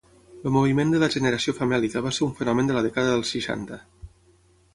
El moviment de la Generació Famèlica va ser un fenomen de la dècada dels seixanta.